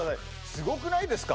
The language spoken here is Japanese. すごくないですか？